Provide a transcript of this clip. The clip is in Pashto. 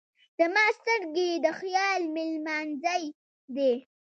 زما سترګې یې د خیال مېلمانځی دی.